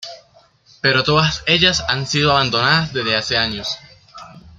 Pero todas ellas han sido abandonadas desde hace años.